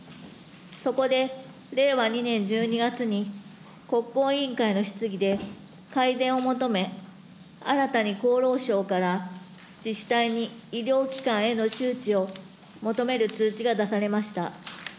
そこで令和２年１２月に、国交委員会の質疑で改善を求め、新たに厚労省から自治体に医療機関への周知を求める通知が出されました。